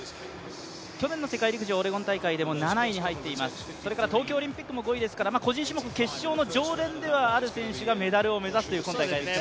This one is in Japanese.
去年の世界陸上オレゴン大会でも７位に走っています、それから東京オリンピックも５位ですから、個人種目、決勝の常連ではある選手がメダルを目指すというレースですね。